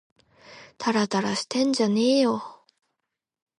たらたらしてんじゃねぇよ